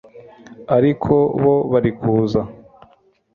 ariko bo barikuza